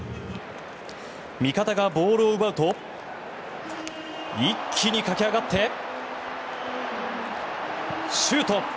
味方がボールを奪うと一気に駆け上がってシュート！